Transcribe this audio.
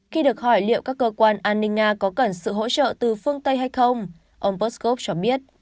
khi được hỏi liệu các cơ quan an ninh nga có cần sự hỗ trợ từ phương tây hay không ông postkov cho biết